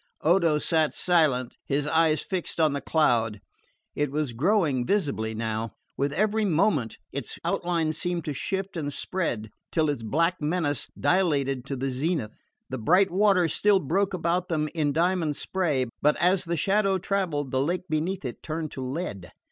Odo sat silent, his eyes fixed on the cloud. It was growing visibly now. With every moment its outline seemed to shift and spread, till its black menace dilated to the zenith. The bright water still broke about them in diamond spray; but as the shadow travelled the lake beneath it turned to lead.